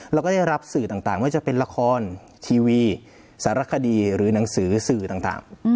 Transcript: เราก็ได้รับสื่อต่างไม่ว่าจะเป็นละครทีวีสารคดีหรือหนังสือสื่อต่าง